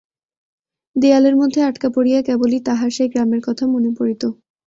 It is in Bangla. দেয়ালের মধ্যে আটকা পড়িয়া কেবলই তাহার সেই গ্রামের কথা মনে পড়িত।